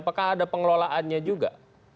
apakah ada pengelolaannya juga